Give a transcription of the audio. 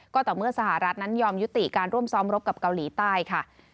ก็ต่อเมื่อสหรัฐนั้นยอมยุติการร่วมซ้อมรบกับเกาหลีใต้ค่ะ